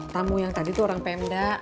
tamu yang tadi itu orang pemda